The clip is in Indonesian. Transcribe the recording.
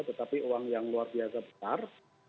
tetapi uang yang luar biasa besar